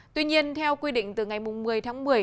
tuy nhiên theo quy định từ ngày một mươi tháng một mươi